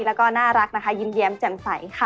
แล้วก็น่ารักนะคะยิ้มแย้มแจ่มใสค่ะ